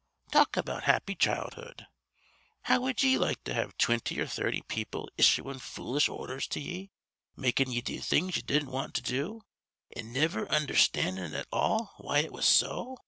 Talk about happy childhood. How wud ye like to have twinty or thirty people issuin' foolish ordhers to ye, makin' ye do things ye didn't want to do, an' niver undherstandin' at all why it was so?